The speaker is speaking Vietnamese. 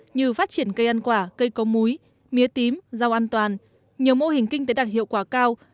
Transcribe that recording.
như phát triển cây ăn quả cây có múi mía tím rau an toàn nhiều mô hình kinh tế đạt hiệu quả cao